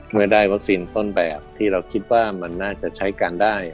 เมื่อได้วัคซีนต้นแบบที่เราคิดว่ามันน่าจะใช้การได้